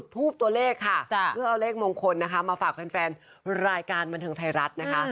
ทูบตัวเลขค่ะเพื่อเอาเลขมงคลนะคะมาฝากแฟนรายการบันเทิงไทยรัฐนะคะ